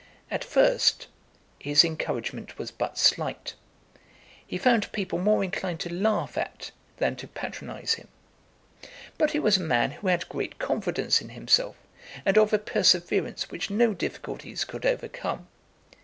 At first, his encouragement was but slight; he found people more inclined to laugh at than to patronise him. But he was a man who had great confidence in himself, and of a perseverance which no difficulties could overcome.